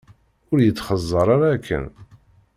Ur yi-d-xeẓẓer ara akken.